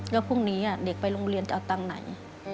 แล้วพรุ่งนี้เด็กไปโรงเรียนจะเอาตังค์ไหน